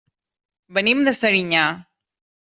Venim de Serinyà.